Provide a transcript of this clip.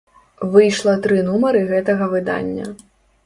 Выйшла тры нумары гэтага выдання.